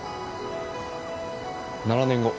７年後。